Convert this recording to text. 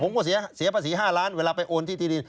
ผมถามนี่ก็เสียภาษี๕ล้านบาทเวลาไปโอนที่ดิน